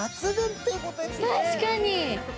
確かに！